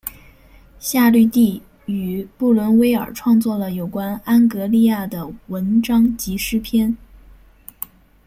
夏绿蒂与布伦威尔创作了有关安格利亚的文章及诗篇。